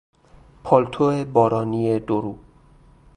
پالتو بارانی دورو